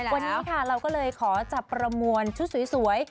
วันนี้ค่ะเราก็เลยขอจับประมวลชุดสวย